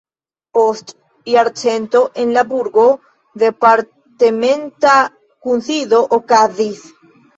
Post jarcento en la burgo departementa kunsido okazis.